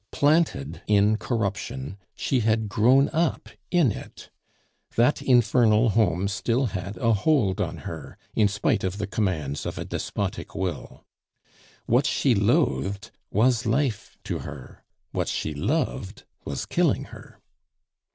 Planted in corruption, she had grown up in it. That infernal home still had a hold on her, in spite of the commands of a despotic will. What she loathed was life to her, what she loved was killing her.